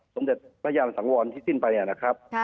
สมเด็จพระยามสังวรที่สิ้นไปนะครับ